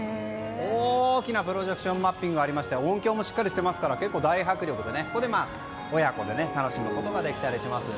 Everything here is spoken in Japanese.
大きなプロジェクションマッピングがありまして音響もしっかりしていますから結構、大迫力でここで親子で楽しむことができたりします。